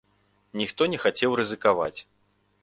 Ніхто не хацеў рызыкаваць!